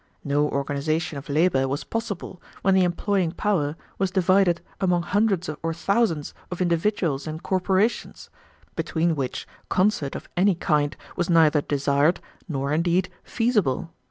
No organization of labor was possible when the employing power was divided among hundreds or thousands of individuals and corporations, between which concert of any kind was neither desired, nor indeed feasible.